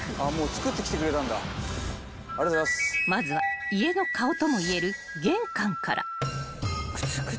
［まずは家の顔とも言える玄関から］